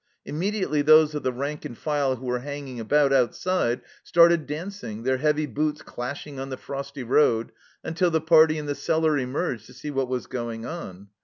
Immediately those of the rank and file who were hanging about outside started dancing, their heavy boots clashing on the frosty road, until the party in the cellar emerged to see what was going on.